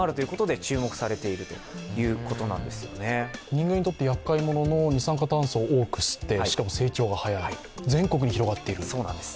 人間にとってやっかい者の二酸化炭素を多く吸ってしかも成長が早い、全国に広がっている？